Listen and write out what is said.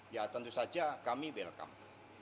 ya tentu saja kami welcome